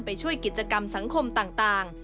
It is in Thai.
ไปช่วยกิจกรรมสังคมต่าง